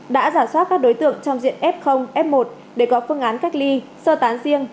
đã giả soát các đối tượng trong diện f f một để có phương án cách ly sơ tán riêng